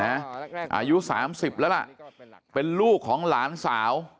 อายุ๓๐แล้วล่ะเป็นลูกของหลานสาว